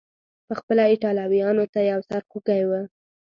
پخپله ایټالویانو ته یو سر خوږی و.